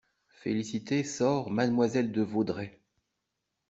Félicité sort MADEMOISELLE DE VAUDREY.